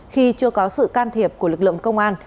khi chưa có sự can thiệp của lực lượng công an